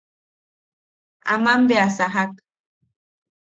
Aman bea sajak;.